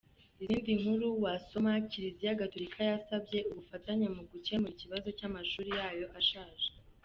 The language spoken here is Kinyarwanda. Izindi nkuru wasoma:-Kiliziya Gatolika yasabye ubufatanye mu gukemura ikibazo cy’amashuri yayo ashaje.